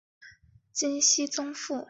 金熙宗父。